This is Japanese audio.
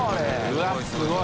うわすごい！